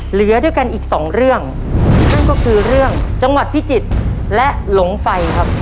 เหลือด้วยกันอีกสองเรื่องนั่นก็คือเรื่องจังหวัดพิจิตรและหลงไฟครับ